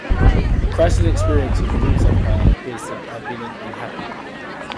Chrysler's experience with the Rootes empire appears to have been an unhappy one.